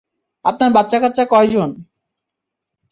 আপনার বাচ্চাকাচ্চা কয়জন?